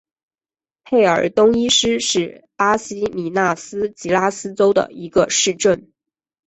佩尔东伊斯是巴西米纳斯吉拉斯州的一个市镇。